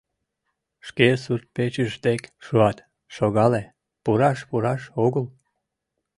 Шке сурт-печыж дек шуат, шогале: пураш, пураш огыл?